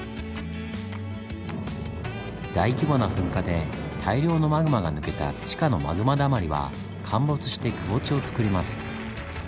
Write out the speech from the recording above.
大規模な噴火で大量のマグマが抜けた地下のマグマだまりは陥没してくぼ地をつくります。